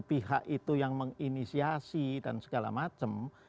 pihak itu yang menginisiasi dan segala macam